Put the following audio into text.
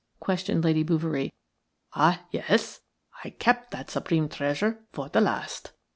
questioned Lady Bouverie. "Ah, yes. I kept that supreme treasure for the last."